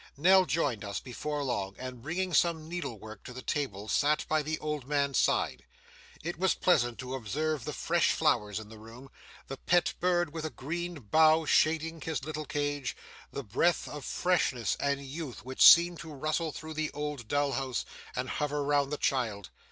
Nell joined us before long, and bringing some needle work to the table, sat by the old man's side. It was pleasant to observe the fresh flowers in the room, the pet bird with a green bough shading his little cage, the breath of freshness and youth which seemed to rustle through the old dull house and hover round the child.